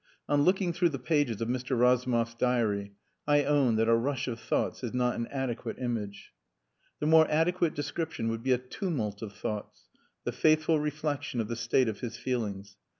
On looking through the pages of Mr. Razumov's diary I own that a "rush of thoughts" is not an adequate image. The more adequate description would be a tumult of thoughts the faithful reflection of the state of his feelings.